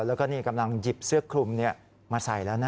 แล้วก็นี่กำลังหยิบเสื้อคลุมมาใส่แล้วนะ